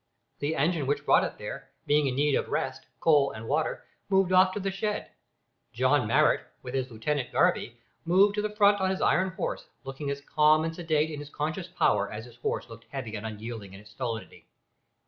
The engine which brought it there, being in need of rest, coal, and water, moved off to the shed. John Marrot with his lieutenant, Garvie, moved to the front on his iron horse, looking as calm and sedate in his conscious power as his horse looked heavy and unyielding in its stolidity.